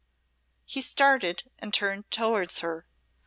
He started and turned towards her.